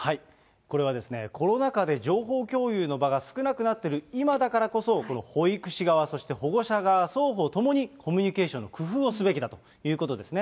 これは、コロナ禍で情報共有の場が少なくなっている今だからこそ、この保育士側、そして保護者側、双方ともにコミュニケーションの工夫をすべきだということですね。